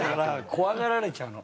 怖がられちゃうの。